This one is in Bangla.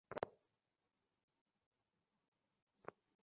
সকাল সাড়ে ছয়টার দিকে সুলতান সালনা এলাকায় ঢাকা-ময়মনসিংহ মহাসড়ক পার হচ্ছিলেন।